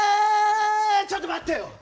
ちょっと待ってよ。